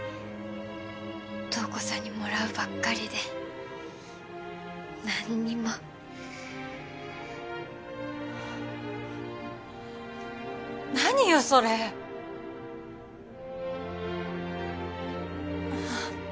瞳子さんにもらうばっかりで何にも何よそれああ